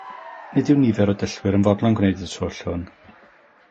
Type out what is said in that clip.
Nid yw nifer o dyllwyr yn fodlon gwneud y twll hwn.